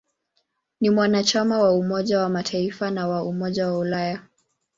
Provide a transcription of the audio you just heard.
Ni mwanachama wa Umoja wa Mataifa na wa Umoja wa Ulaya.